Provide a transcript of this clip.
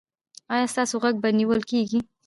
ایا ستاسو غږ به نیول کیږي؟